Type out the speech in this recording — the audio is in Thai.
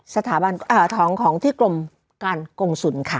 สถาบันอาหารของที่กรมการกรงสุนครับ